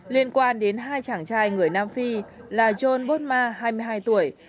liên quan đến hai chàng trai người nam phi là john bodma hai mươi hai tuổi và muthfit daniels hai mươi tám tuổi